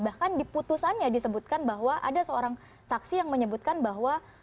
bahkan di putusannya disebutkan bahwa ada seorang saksi yang menyebutkan bahwa